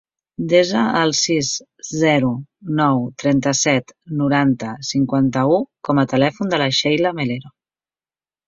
Desa el sis, zero, nou, trenta-set, noranta, cinquanta-u com a telèfon de la Sheila Melero.